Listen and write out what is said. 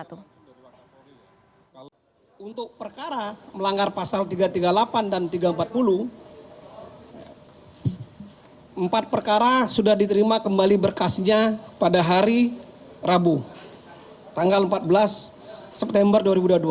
empat perkara melanggar pasal tiga ratus tiga puluh delapan dan tiga ratus empat puluh empat perkara sudah diterima kembali berkasnya pada hari rabu tanggal empat belas september dua ribu dua puluh